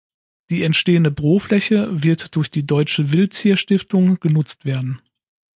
Die entstehende Bürofläche wird durch die Deutsche Wildtier Stiftung genutzt werden.